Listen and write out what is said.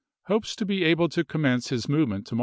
" hopes to be able to commence his movement vol.